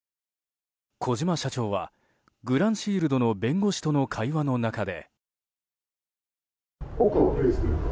小島社長はグランシールドの弁護士との会話の中で。